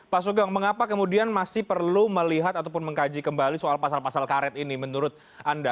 pak sugeng mengapa kemudian masih perlu melihat ataupun mengkaji kembali soal pasal pasal karet ini menurut anda